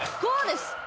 こうです。